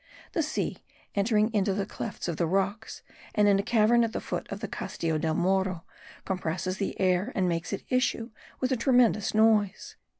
The sea, entering into the clefts of the rocks, and in a cavern at the foot of the Castillo del Morro, compresses the air and makes it issue with a tremendous noise.